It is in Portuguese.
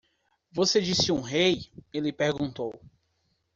"Você disse um rei?" ele perguntou.